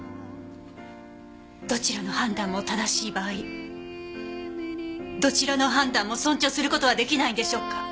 どちらの判断も正しい場合どちらの判断も尊重する事は出来ないんでしょうか？